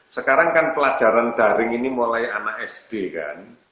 sekarang kan pelajaran daring ini mulai anak sd kan